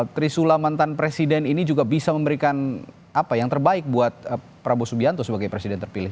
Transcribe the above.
trisula mantan presiden ini juga bisa memberikan apa yang terbaik buat prabowo subianto sebagai presiden terpilih